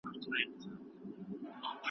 د ماشومانو لپاره مور شیدې لومړیتوب لري.